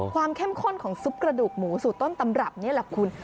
เข้มข้นของซุปกระดูกหมูสู่ต้นตำรับนี่แหละคุณ